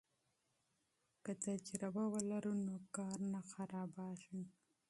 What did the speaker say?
که تجربه ولرو نو کار نه خرابیږي.